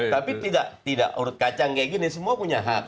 tapi tidak urut kacang kayak gini semua punya hak